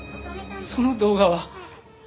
その動画は。